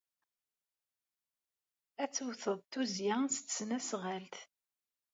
Ad d-tewted tuzzya s tesnasɣalt.